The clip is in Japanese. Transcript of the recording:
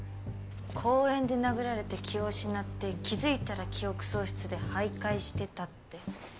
公園で殴られて気を失って気づいたら記憶喪失で徘徊してたって。